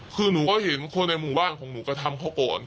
คือหนูก็เห็นคนในหมู่บ้านของหนูกระทำเขาก่อน